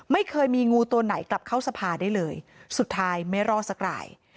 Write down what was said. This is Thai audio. ไม่เคยมีงูตัวไหนกลับเข้าสภาได้เลยสุดท้ายไม่รอดสักราย